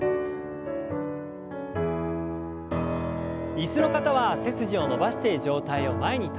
椅子の方は背筋を伸ばして上体を前に倒します。